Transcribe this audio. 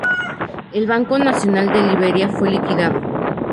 El Banco Nacional de Liberia fue liquidado.